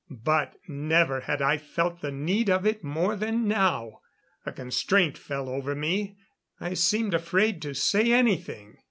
But never had I felt the need of it more than now. A constraint fell over me; I seemed afraid to say anything.